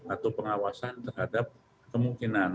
atau pengawasan terhadap kemungkinan